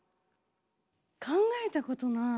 考えたことない。